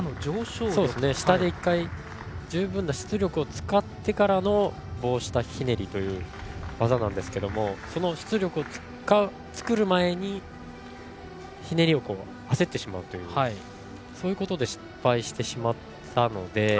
下で１回十分な出力を使ってからの棒下ひねりという技なんですけどその出力を作る前にひねりを焦ってしまいそういうことで失敗してしまったので。